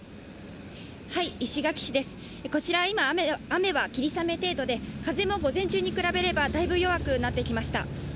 こちらは今、雨は霧雨程度で、風も午前中に比べれば、だいぶ弱くなってきました。